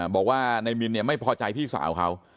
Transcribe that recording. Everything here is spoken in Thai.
บอกว่านายมินไม่พอใจพี่สาวเขา